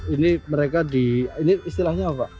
ini mereka di ini istilahnya apa